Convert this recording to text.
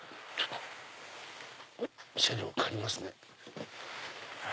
少々借りますね。